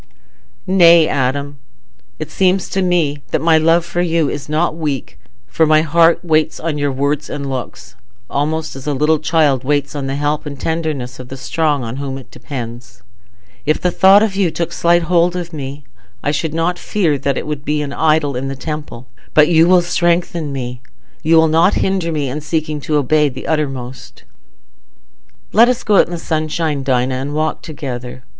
"Nay, Adam. It seems to me that my love for you is not weak, for my heart waits on your words and looks, almost as a little child waits on the help and tenderness of the strong on whom it depends. If the thought of you took slight hold of me, I should not fear that it would be an idol in the temple. But you will strengthen me—you will not hinder me in seeking to obey to the uttermost." "Let us go out into the sunshine, Dinah, and walk together.